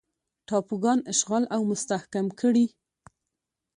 ټاپوګان اشغال او مستحکم کړي.